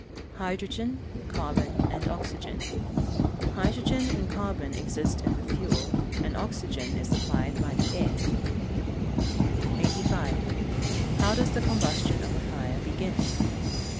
_ Hydrogen, carbon, and oxygen. Hydrogen and carbon exist in the fuel, and oxygen is supplied by the air. 85. _How does the combustion of a fire begin?